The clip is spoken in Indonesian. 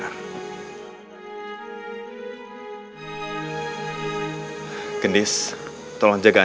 aku pasti akan kembali